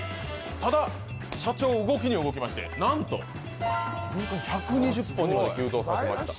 ただ社長動きに動きまして何と年間１２０本にまで急増させました